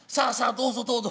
どうぞどうぞ。